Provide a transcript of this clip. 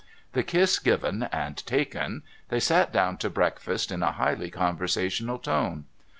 The kiss given and taken, they sat down to breakfast in a highly conversational tone.